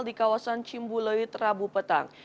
di kawasan cimbuluit rabu petang